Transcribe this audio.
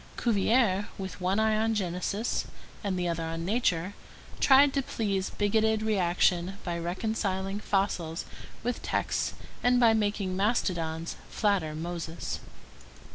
Cuvier, with one eye on Genesis and the other on nature, tried to please bigoted reaction by reconciling fossils with texts and by making mastodons flatter Moses.